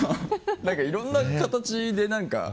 いろんな形で何か。